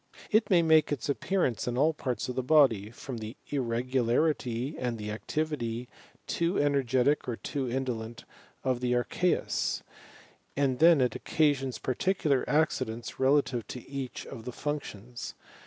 It may make its ap pearance in all parts of the body, from the irregularity and the activity, too energetic or too indolent, of the aicheus; and then it occasions particular accidents re lative to each of the functions.